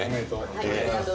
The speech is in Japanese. ありがとうございます。